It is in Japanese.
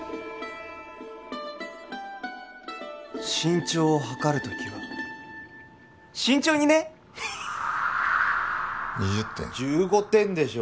身長を測るときは慎重にねッ２０点１５点でしょ